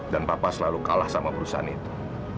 papa selalu kalah sama perusahaan itu